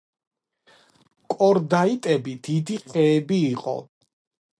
კორდაიტები დიდი ხეები იყო.